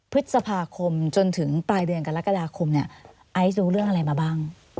พฤษภาคมจนถึงปลายเดือนกรกฎาคมเนี่ยไอซ์รู้เรื่องอะไรมาบ้าง